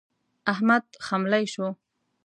احمد خملۍ شو.